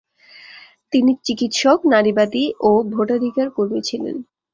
তিনি চিকিৎসক, নারীবাদী ও ভোটাধিকার কর্মী ছিলেন।